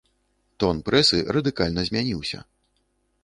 Тон прэсы радыкальна змяніўся.